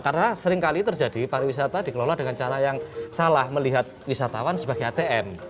karena seringkali terjadi pariwisata dikelola dengan cara yang salah melihat wisatawan sebagai atm